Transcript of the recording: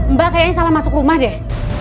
mbak kayaknya salah masuk rumah deh